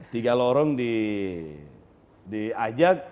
tiga lorong diajak